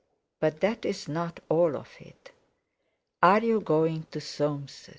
But that's not all of it. Are you going to Soames'?